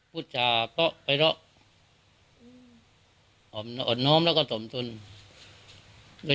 พุธจาเป๊า้ไปแล้วอ่อนอดน้อมแล้วก็สมทุนแต่